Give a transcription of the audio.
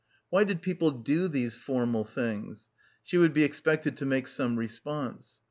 Why did people do these formal things? She would be expected to make some response.